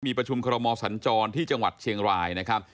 มีประชุมคอรมอสัญจรที่จังหวัดเชียงรายนะครับ